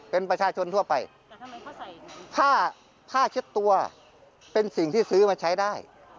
เป็นประชาชนทั่วไปผ้าผ้าเช็ดตัวเป็นสิ่งที่ซื้อมาใช้ได้